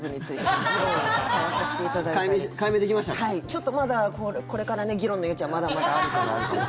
ちょっとまだこれからね議論の余地はまだまだあるかなと。